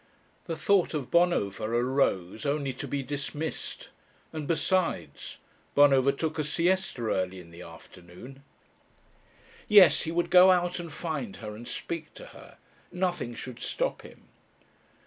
The thought of Bonover arose only to be dismissed. And besides Bonover took a siesta early in the afternoon. Yes, he would go out and find her and speak to her. Nothing should stop him.